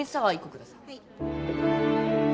はい。